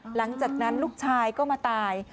หลังจากนั้นลูกชายก็มาตาย